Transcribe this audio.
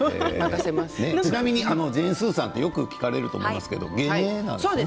ちなみにジェーン・スーさんはよく聞かれると思いますけれど芸名なんですね。